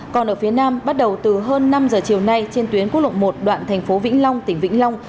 còn ở phía nam bắt đầu từ hơn năm giờ chiều nay trên tuyến quốc lộ một đoạn thành phố vĩnh long tỉnh vĩnh long